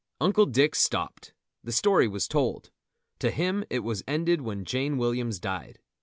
Uncle Dick stopped. The story was told. To him it was ended when Jane Williams died.